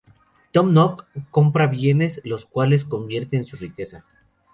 Tom Nook compra bienes, los cuales convierte en su riqueza.